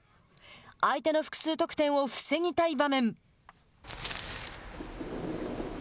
相手の複数得点を防ぎたい場面。